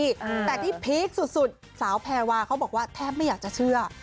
แต่ที่พีคสุดสุดสาวแพรวาเขาบอกว่าแทบไม่อยากจะเชื่อ